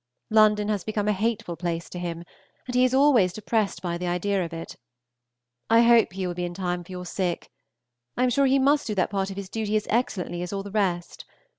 London has become a hateful place to him, and he is always depressed by the idea of it. I hope he will be in time for your sick. I am sure he must do that part of his duty as excellently as all the rest.